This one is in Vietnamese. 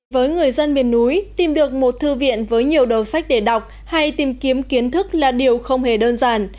với người dân miền núi tìm được một thư viện với nhiều đầu sách để đọc hay tìm kiếm kiến thức là điều không hề đơn giản